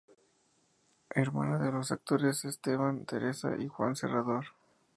Hermana de los actores Esteban, Teresa y Juan Serrador.